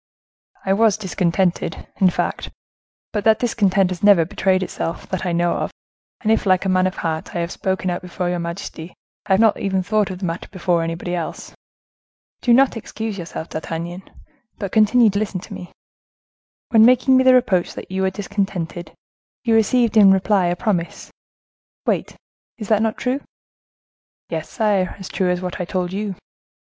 "I was discontented, in fact; but that discontent has never betrayed itself, that I know of, and if, like a man of heart, I have spoken out before your majesty, I have not even thought of the matter before anybody else." "Do not excuse yourself, D'Artagnan, but continue to listen to me. When making me the reproach that you were discontented, you received in reply a promise:—'Wait.'—Is that not true?" "Yes, sire, as true as what I told you."